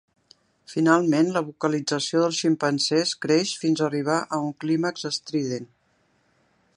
Finalment, la vocalització dels ximpanzés creix fins arribar a un clímax estrident.